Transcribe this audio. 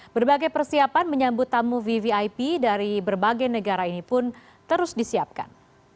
berbagai persiapan menyambut tamu vvip dari berbagai negara ini pun terus disiapkan